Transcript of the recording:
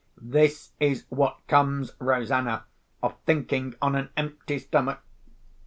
This is what comes, Rosanna, of thinking on an empty stomach!"